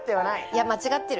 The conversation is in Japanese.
いや間違ってる。